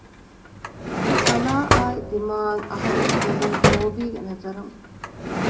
ކަލާއާއި ދިމާއަށް އަހަރެން ބެލީ ލޯބީގެ ނަޒަރުން